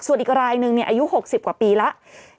ส่วนอีกรายนึงอายุ๖๐กว่าปีแล้ว